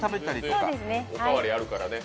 お代わりあるからね。